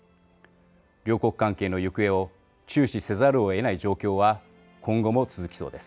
両国関係の行方を注視せざるをえない状況は今後も続きそうです。